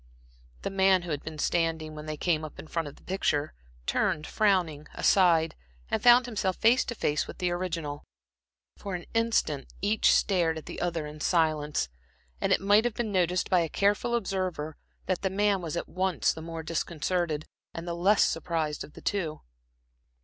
The man who had been standing when they came up in front of the picture, turned frowning aside, and found himself face to face with the original. For an instant each stared at the other in silence, and it might have been noticed by a careful observer that the man was at once the more disconcerted and the less surprised of the two.